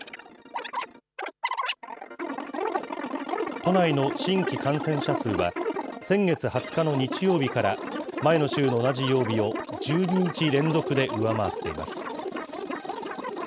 都内の新規感染者数は、先月２０日の日曜日から、前の週の同じ曜日を１２日連続で上回っています。